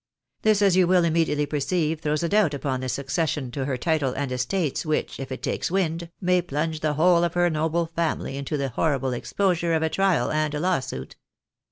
This, as you will immediately perceive, throws a doubt upon the succession to her title and estates which, if it takes wind, may plunge the whole of her noble family into the horrible exposure of a trial and a lawsuit.